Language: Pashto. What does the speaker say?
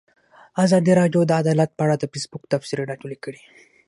ازادي راډیو د عدالت په اړه د فیسبوک تبصرې راټولې کړي.